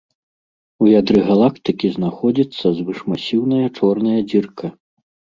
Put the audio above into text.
У ядры галактыкі знаходзіцца звышмасіўная чорная дзірка.